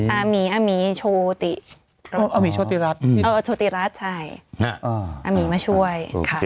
อามีโชติรัสอามีมาช่วย